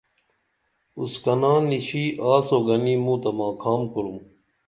اُڅ کنا نشی آڅو گنی موں تہ ماکھام کُرُم